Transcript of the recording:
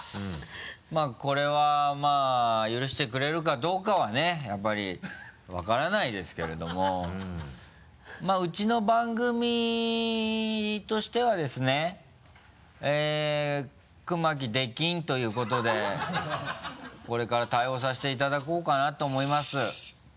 まぁこれはまぁ許してくれるかどうかはねやっぱりわからないですけれどもまぁうちの番組としてはですね熊木出禁ということでこれから対応させていただこうかなと思います。